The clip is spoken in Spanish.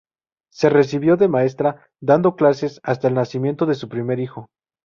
Se recibió de maestra, dando clases hasta el nacimiento de su primer hijo.